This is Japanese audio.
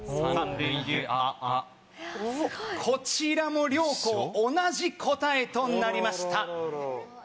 こちらも両校同じ答えとなりました。